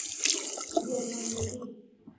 دلماندگی